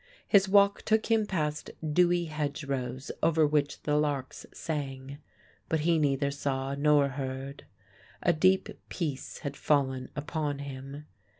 His walk took him past dewy hedgerows over which the larks sang. But he neither saw nor heard. A deep peace had fallen upon him.